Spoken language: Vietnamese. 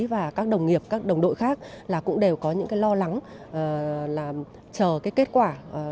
và các đồng nghiệp các đồng đội khác là cũng đều có những lo lắng là chờ kết quả